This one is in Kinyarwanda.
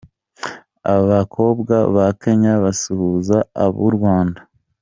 Abakobwa ba Kenya basuhuza ab'u Rwanda.